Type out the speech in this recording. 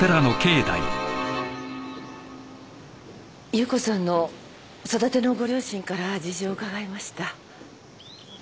夕子さんの育てのご両親から事情を伺いました。